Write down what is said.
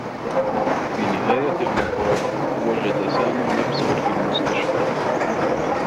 في نهاية المطاف، وجد سامي نفسه في المستشفى.